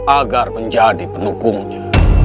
agar menjadi penukungnya